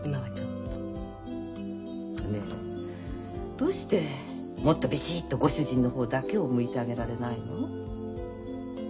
ねえどうしてもっとビシッとご主人の方だけを向いてあげられないの？